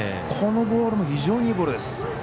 このボールも非常にいいボールです。